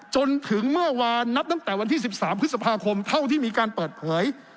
จนถึงเมื่อวานนับตั้งแต่วันที่๑๓พฤษภาคมเท่าที่มีการเปิดเผย